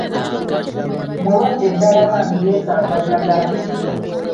Mulwadde ddala bambi yeetaaga ddagala!